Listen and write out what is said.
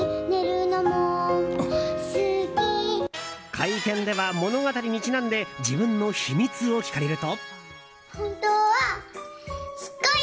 会見では、物語にちなんで自分の秘密を聞かれると。